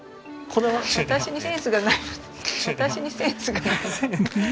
私にセンスがない私にセンスが。